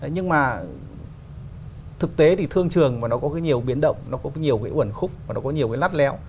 nhưng mà thực tế thì thương trường mà nó có cái nhiều biến động nó có nhiều cái quẩn khúc nó có nhiều cái nát léo